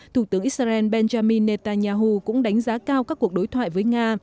thủ tướng israel benjamin netanyahu cũng đánh giá cao các cuộc đối thoại với nga